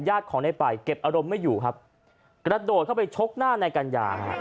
ของในป่ายเก็บอารมณ์ไม่อยู่ครับกระโดดเข้าไปชกหน้านายกัญญาฮะ